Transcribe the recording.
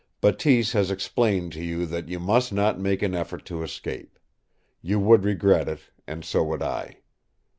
Bateese has explained to you that you must not make an effort to escape. You would regret it, and so would I.